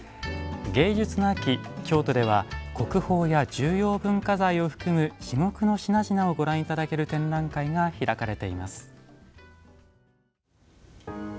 芸術の秋、京都では国宝や重要文化財を含む至極の品々をご覧いただける展覧会が開かれています。